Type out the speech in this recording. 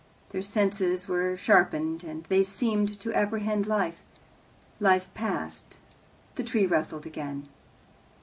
Their senses were sharpened, and they seemed to apprehend life. Life passed. The tree nestled again.